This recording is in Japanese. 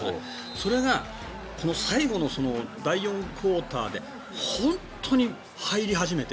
それが最後の第４クオーターで本当に入り始めて。